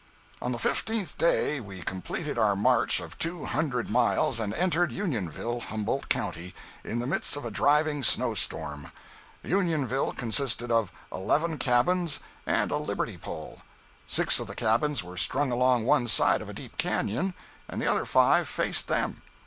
On the fifteenth day we completed our march of two hundred miles and entered Unionville, Humboldt county, in the midst of a driving snow storm. Unionville consisted of eleven cabins and a liberty pole. Six of the cabins were strung along one side of a deep canyon, and the other five faced them.